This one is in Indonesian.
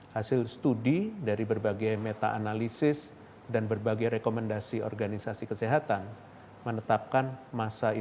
hasil studi dari berbagai meta analisis dan berbagai rekomendasi organisasi kesehatan menetapkan masa inkubasi covid sembilan belas